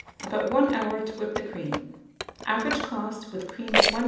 About 1 hour to whip the cream. Average cost, with cream at 1s.